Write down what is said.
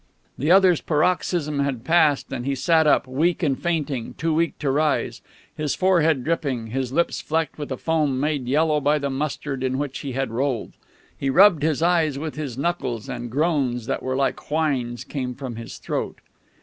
The other's paroxysm had passed, and he sat up, weak and fainting, too weak to rise, his forehead dripping, his lips flecked with a foam made yellow by the mustard in which he had rolled. He rubbed his eyes with his knuckles, and groans that were like whines came from his throat.